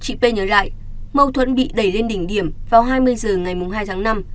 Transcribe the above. chị p nhớ lại mâu thuẫn bị đẩy lên đỉnh điểm vào hai mươi h ngày hai tháng năm